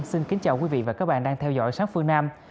xin kính chào quý vị và các bạn đang theo dõi sát phương nam